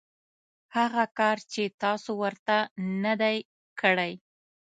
هغه کار چې تاسو ورته نه دی کړی .